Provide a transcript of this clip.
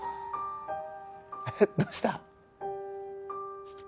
どうした？